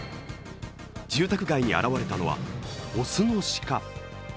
住宅街に現れたのは雄の鹿。